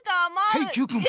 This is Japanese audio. はいＱくん！